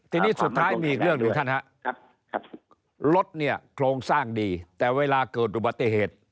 ทีนี้สุดท้ายมีอีกเรื่องหนึ่งท่านครับรถเนี่ยโครงสร้างดีแต่เวลาเกิดอุบัติเหตุ